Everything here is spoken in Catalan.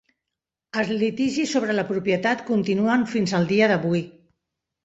Els litigis sobre la propietat continuen fins al dia d'avui.